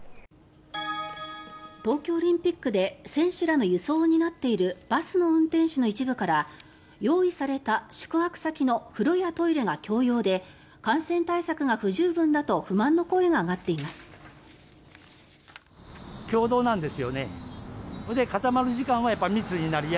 東京オリンピックで選手らの輸送を担っているバスの運転手の一部から用意された宿泊先の風呂やトイレが共用で感染対策が不十分だと不満の声が上がっています。